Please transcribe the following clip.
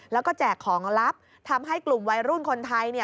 แล้วก็แจกของลับทำให้กลุ่มวัยรุ่นคนไทยเนี่ย